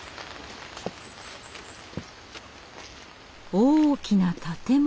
大きな建物！